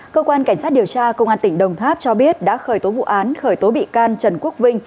cơ quan cảnh sát điều tra công an tỉnh đồng tháp cho biết đã khởi tố vụ án khởi tố bị can trần quốc vinh